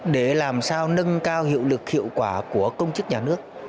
để làm sao nâng cao hiệu lực hiệu quả của công chức nhà nước